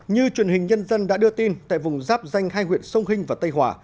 như truyền hình nhân dân đã đưa tin tại vùng giáp danh hai huyện sông hinh và tây hòa